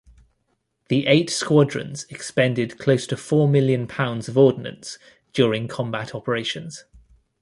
The eight squadrons expended close to four million pounds of ordnance during combat operations.